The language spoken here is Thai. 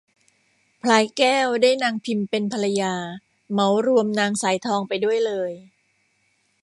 พลายแก้วได้นางพิมเป็นภรรยา เหมารวมนางสายทองไปด้วยเลย